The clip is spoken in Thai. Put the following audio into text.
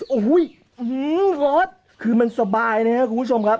โอ้โหรถคือมันสบายนะครับคุณผู้ชมครับ